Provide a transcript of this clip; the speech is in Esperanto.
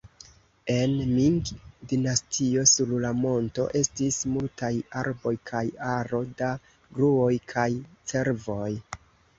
En Ming-dinastio sur la monto estis multaj arboj kaj aro da gruoj kaj cervoj.